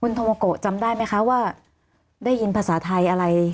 โทโมโกะจำได้ไหมคะว่าได้ยินภาษาไทยอะไร